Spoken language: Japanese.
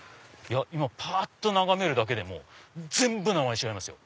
今ぱっと眺めるだけでも全部名前違いますよ。